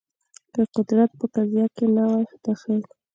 که قدرت په قضیه کې نه وای دخیل